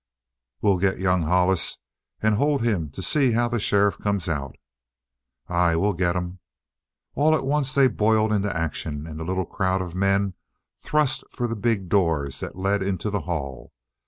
"We'll get young Hollis and hold him to see how the sheriff comes out." "Aye, we'll get him!" All at once they boiled into action and the little crowd of men thrust for the big doors that led into the hall.